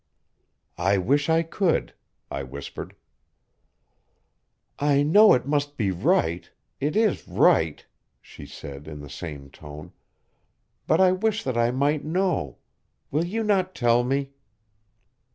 "I wish I could," I whispered. "I know it must be right it is right," she said in the same tone. "But I wish that I might know. Will you not tell me?"